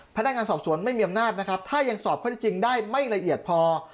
พนักงานสอบสวนไม่มีอำนาจนะครับถ้ายังสอบข้อที่จริงได้ไม่ละเอียดพอ